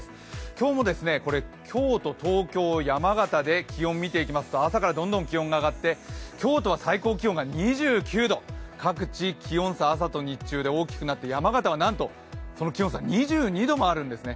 今日も京都、東京、山形で気温見ていきますと朝からどんどん気温が上がって、京都は最高気温が２９度、各地、気温差、朝と日中大きくなって山形はなんと、気温差２２度もあるんですね。